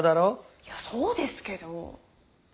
いやそうですけど。